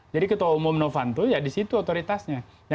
jadi ketua umum novantu ya di situ otoritasnya